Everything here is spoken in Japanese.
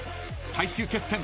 ［最終決戦］